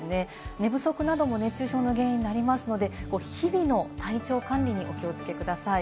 寝不足なども熱中症の原因になりますので日々の体調管理にお気をつけください。